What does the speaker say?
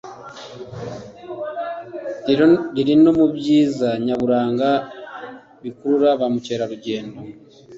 riri no mu byiza nyaburanga bikurura ba mukerarugendo